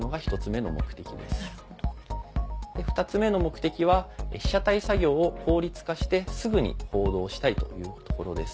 ２つ目の目的は被写体作業を効率化してすぐに報道したいというところです。